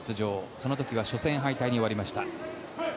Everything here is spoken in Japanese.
その時は初戦敗退に終わりました。